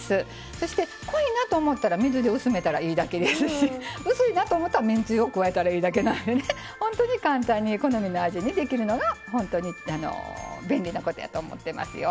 そして濃いなと思ったら水で薄めたらいいだけですし薄いなと思ったらめんつゆを加えたらいいだけなので本当に簡単に好みの味にできるのが本当に便利なことやと思ってますよ。